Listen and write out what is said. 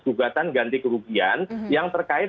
gugatan ganti kerugian yang terkait